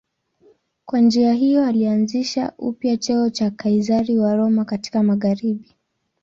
Kwa njia hiyo alianzisha upya cheo cha Kaizari wa Roma katika magharibi.